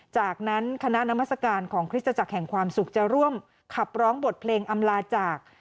จากนั้นคณะนามัศกาลของคริสตจักรแห่งความสุขจะร่วมขับร้องบทเพลงอำลาจาก